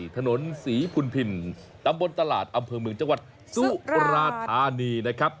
ถนนศรีพุนพินตำบลตลาดอำเภอเมืองจังหวัดสุราธานีนะครับ